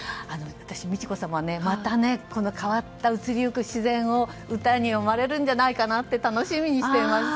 美智子さままたこの変わった移りゆく自然を歌に詠まれるんじゃないかなって楽しみにしています。